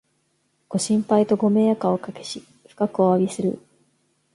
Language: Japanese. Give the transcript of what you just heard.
ご心配とご迷惑をおかけし、深くおわびする